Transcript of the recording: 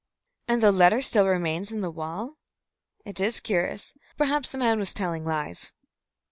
"And the letter still remains in the wall? It is curious. Perhaps the man was telling lies."